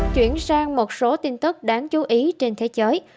chuyển sang một số tin tức đáng chú ý trên thế giới